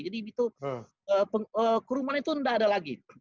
jadi itu kerumunan itu tidak ada lagi